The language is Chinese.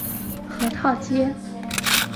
核桃街。